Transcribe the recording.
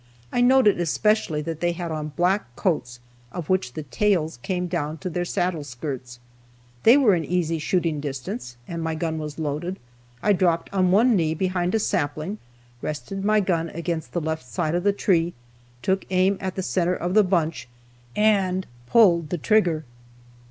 I noted especially that they had on black coats, of which the tails came down to their saddle skirts. They were in easy shooting distance, and my gun was loaded. I dropped on one knee behind a sapling, rested my gun against the left side of the tree, took aim at the center of the bunch, and pulled the trigger.